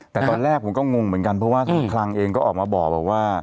แต่ตอนแรกผมก็งงเหมือนกันเพราะว่าคลังเองก็ออกมาบอกว่า